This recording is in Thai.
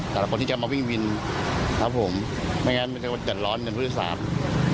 แต่ละคนที่จะมาวิ่งวินไม่งั้นมันจะจัดร้อนกันพฤติศาสตร์